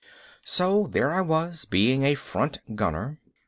So there I was being a front gunner.